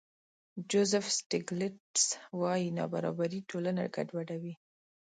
جوزف سټېګلېټز وايي نابرابري ټولنه ګډوډوي.